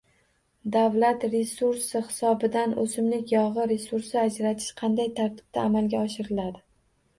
Davlat resursi hisobidan o’simlik yog’i resursi ajratish kanday tartibda amalga oshiriladi?